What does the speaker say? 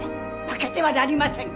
負けてはなりません！